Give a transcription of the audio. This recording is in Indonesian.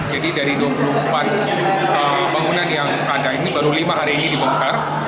jadi dari dua puluh empat bangunan yang ada ini baru lima hari ini dibongkar